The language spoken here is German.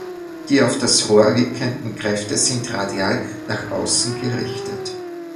Die auf das Rohr wirkenden Kräfte sind radial nach außen gerichtet.